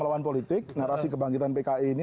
lawan politik narasi kebangkitan pki ini